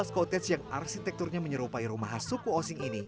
dua belas kotes yang arsitekturnya menyerupai rumah khas suku osing ini